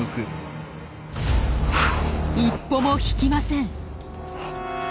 一歩も引きません。